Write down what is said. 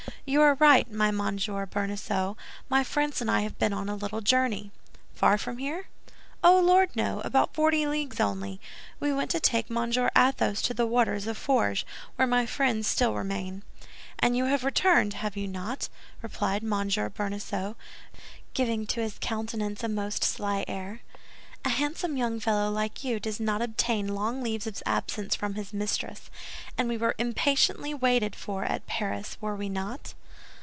"You are right, my dear Monsieur Bonacieux, my friends and I have been on a little journey." "Far from here?" "Oh, Lord, no! About forty leagues only. We went to take Monsieur Athos to the waters of Forges, where my friends still remain." "And you have returned, have you not?" replied M. Bonacieux, giving to his countenance a most sly air. "A handsome young fellow like you does not obtain long leaves of absence from his mistress; and we were impatiently waited for at Paris, were we not?"